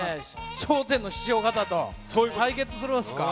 笑点の師匠方と対決するんですか。